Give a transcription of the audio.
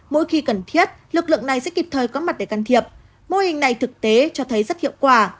mỗi khi cần thiết lực lượng này sẽ kịp thời có mặt để can thiệp mô hình này thực tế cho thấy rất hiệu quả